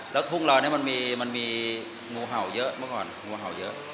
แล้วทุ่งเรานี้มันมีงูเห่าเยอะเมื่อก่อนงูเห่าเยอะ